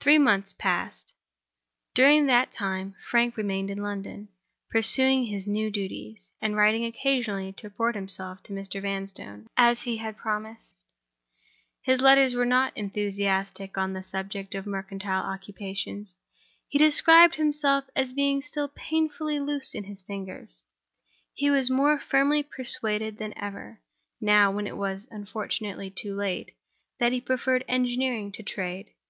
Three months passed. During that time Frank remained in London; pursuing his new duties, and writing occasionally to report himself to Mr. Vanstone, as he had promised. His letters were not enthusiastic on the subject of mercantile occupations. He described himself as being still painfully loose in his figures. He was also more firmly persuaded than ever—now when it was unfortunately too late—that he preferred engineering to trade.